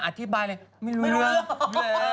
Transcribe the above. สวัสดีค่าข้าวใส่ไข่